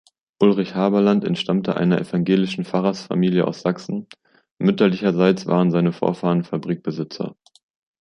Ulrich Haberland entstammte einer evangelischen Pfarrersfamilie aus Sachsen; mütterlicherseits waren seine Vorfahren Fabrikbesitzer.